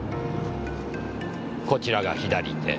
こちらが左手。